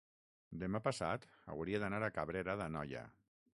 demà passat hauria d'anar a Cabrera d'Anoia.